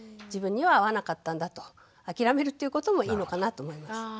自分には合わなかったんだと諦めるっていうこともいいのかなと思います。